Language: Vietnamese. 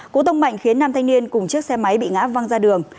cú tông mạnh khiến nam thanh niên cùng chiếc xe máy bị ngã văng ra đường